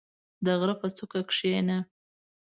• د غره په څوکه کښېنه.